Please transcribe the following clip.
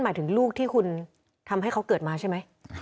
หมายถึงแล้วลูกที่ทำให้เขาเกิดใช่ไหม